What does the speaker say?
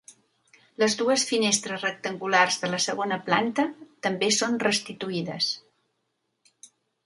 Les dues finestres rectangulars de la segona planta també són restituïdes.